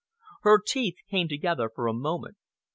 Her teeth came together for a moment.